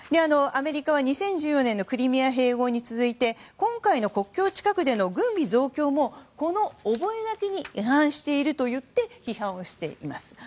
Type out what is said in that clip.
アメリカは２０１４年のクリミア併合に続いて今回の国境近くでの軍備増強もこの覚書に違反しているとして批判しています。